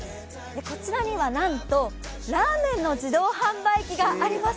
こちらにはなんとラーメンの自動販売機があります。